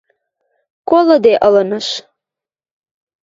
Колыде ылыныш.